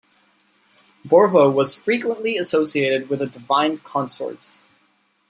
Borvo was frequently associated with a divine consort.